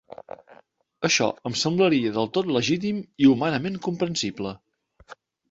Això em semblaria del tot legítim i humanament comprensible.